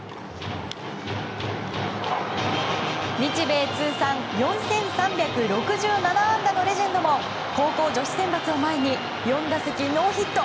日米通算４３６７安打のレジェンドも高校野球女子選抜を前に４打席ノーヒット。